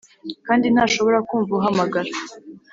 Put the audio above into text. kandi ntashobora kumva uhamagara